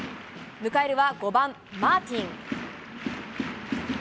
迎えるは５番マーティン。